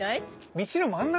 道の真ん中？